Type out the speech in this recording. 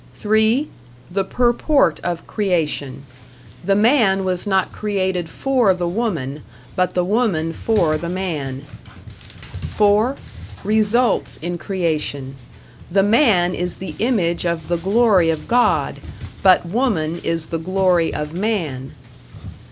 (3) The purport of creation. The man was not created for the woman, but the woman for the man. (4) Results in creation. The man is the image of the glory of God, but woman is the glory of man.